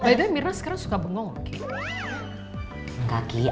btw mirna sekarang suka bengong kiki